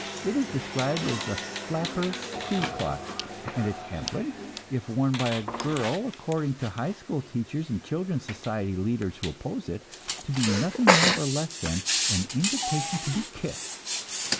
It is described as the 'flapper Ku Klux,' and its emblem, if worn by a girl, according to high school teachers and children's society leaders who oppose it, to be nothing more nor less than an invitation to be kissed.